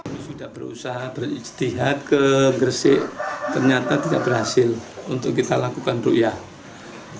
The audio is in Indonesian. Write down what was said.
kita sudah berusaha beristihad ke gresik ternyata tidak berhasil untuk kita lakukan rukyah